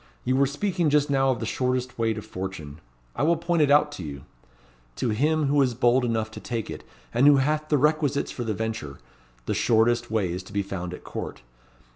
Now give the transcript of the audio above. You were speaking just now of the shortest way to fortune. I will point it out to you. To him, who is bold enough to take it, and who hath the requisites for the venture, the shortest way is to be found at Court.